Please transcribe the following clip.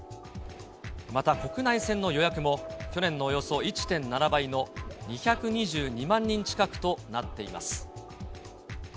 また国内線の予約も、去年のおよそ１．７倍の２２２万人近くとなっています。